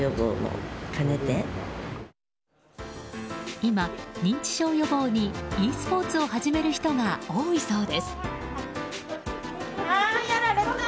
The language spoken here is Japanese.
今、認知症予防にｅスポーツを始める人が多いそうです。